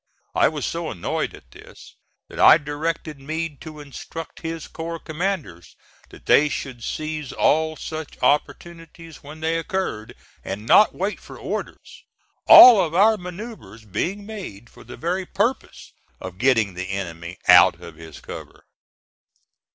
I was so annoyed at this that I directed Meade to instruct his corps commanders that they should seize all such opportunities when they occurred, and not wait for orders, all of our manoeuvres being made for the very purpose of getting the enemy out of his cover.